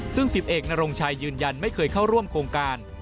ซึ่ง๑๐เอกนรงชัยยืนยันไม่เคยเข้าร่วมโครงการ